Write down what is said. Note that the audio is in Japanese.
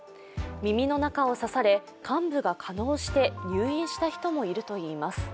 耳の中を刺され、患部が化膿して入院した人もいるといいます。